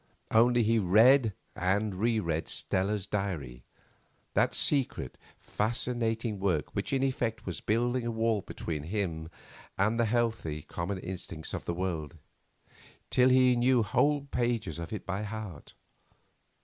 Only he read and re read Stella's diary—that secret, fascinating work which in effect was building a wall between him and the healthy, common instincts of the world—till he knew whole pages of it by heart.